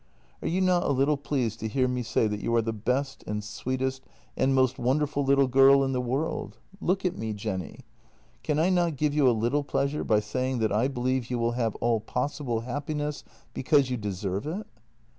Are you not a little pleased to hear me say that you are the best and sweetest and most wonderful little girl in the world? — look at me, Jenny. Can I not give you a little pleasure by saying that I believe you will have all possible happiness because you deserve it?